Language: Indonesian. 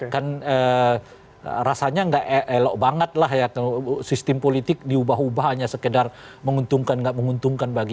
kan rasanya nggak elok banget lah ya sistem politik diubah ubah hanya sekedar menguntungkan nggak menguntungkan bagi